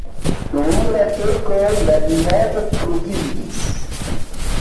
Dum la turkoj la vilaĝo pluvivis.